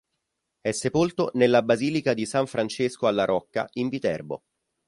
È sepolto nella Basilica di San Francesco alla Rocca in Viterbo.